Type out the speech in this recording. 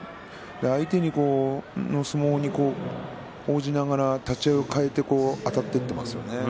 相手の相撲に応じながら立ち合いを変えてあたっていっていますね。